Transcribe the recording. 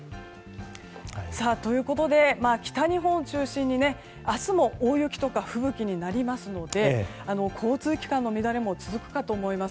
ということで、北日本中心に明日も大雪とか吹雪になりますので交通機関の乱れも続くかと思います。